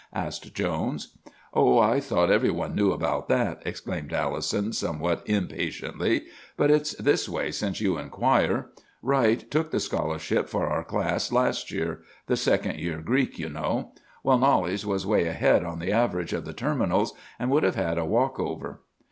asked Jones. "'Oh, I thought every one knew about that!' exclaimed Allison somewhat impatiently. 'But it's this way, since you inquire. Wright took the scholarship for our class last year—the Second Year Greek, you know. Well, Knollys was way ahead on the average of the terminals, and would have had a walk over.